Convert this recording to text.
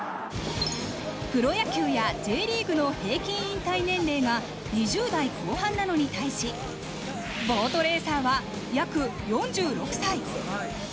プロ野球やＪリーグの平均引退年齢が２０代後半なのに対しボートレーサーは約４６歳。